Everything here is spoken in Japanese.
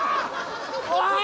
おい！